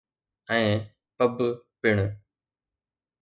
۽ Pub پڻ.